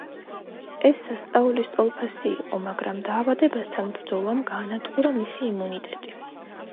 ეს სასწაულის ტოლფასი იყო, მაგრამ დაავადებასთან ბრძოლამ გაანადგურა მისი იმუნიტეტი.